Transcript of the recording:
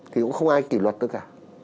thì cũng không ai kỷ luật tôi cả